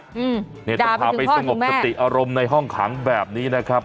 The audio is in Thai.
อืมด่าไปถึงข้อถึงแม่นี่จะพาไปสงบสติอารมณ์ในห้องขังแบบนี้นะครับ